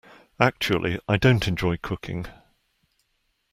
Actually, I don't enjoy cooking.